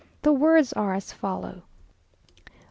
The words are as follow: 1.